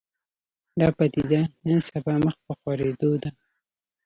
دا پدیده نن سبا مخ په خورېدو ده